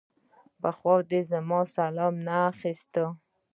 پخوا دې زما سلام نه اخيست.